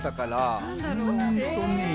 うんとね